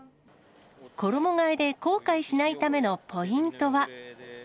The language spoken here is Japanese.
衣がえで後悔しないためのポイントは。